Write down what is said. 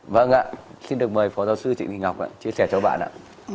vâng ạ xin được mời phó giáo sư trịnh thị ngọc chia sẻ cho bạn ạ